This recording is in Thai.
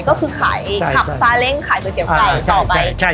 ก็คือขายขับซาเล้งขายก๋วยเตี๋ยวไก่ต่อไป